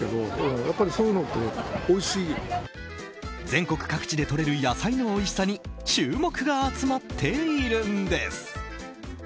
全国各地でとれる野菜のおいしさに注目が集まっているんです。